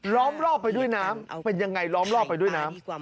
ล้อมรอบไปด้วยน้ำเป็นยังไงล้อมรอบไปด้วยน้ำ